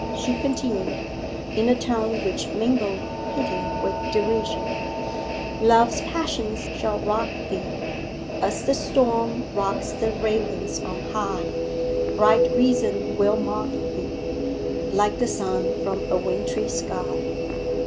she continued, in a tone which mingled pity with derision '"Love's passions shall rock thee As the storm rocks the ravens on high, Bright reason will mock thee Like the sun from a wintry sky."